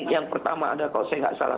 yang pertama ada kalau saya tidak salah